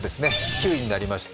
９位になりました。